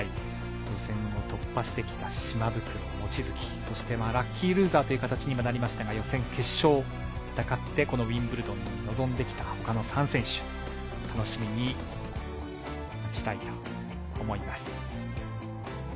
予選を突破してきた島袋、望月そして、ラッキールーザーという形にもなりましたが予選、決勝を戦ってこのウィンブルドンに臨んできた他の３選手楽しみにしたいと思います。